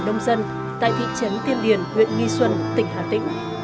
đồng chí trở thành nông dân tại thị trấn tiên điền huyện nghi xuân tỉnh hà tĩnh